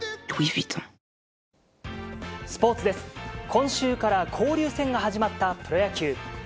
今週から交流戦が始まったプロ野球。